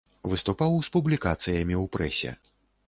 Выступаў з публікацыямі ў прэсе.